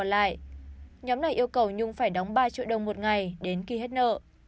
lại nhóm này yêu cầu nhung phải đóng ba triệu đồng một ngày đến khi hết nợ